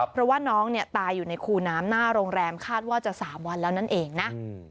เพราะว่าน้องเนี่ยตายอยู่ในคูน้ำหน้าโรงแรมคาดว่าจะ๓วันแล้วนั่นเองนะ